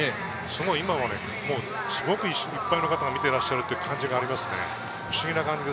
今はすごくいっぱいの方が見てらっしゃるという感じがありますね。